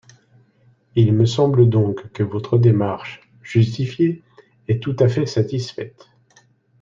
Il me semble donc que votre démarche, justifiée, est tout à fait satisfaite.